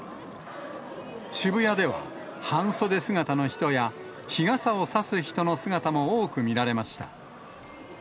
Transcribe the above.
渋谷では半袖姿の人や、日傘を差す人の姿も多く見られました。